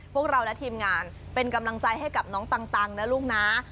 พวกเราและทีมงานเป็นกำลังใจให้กับน้องตังนะลูกนะ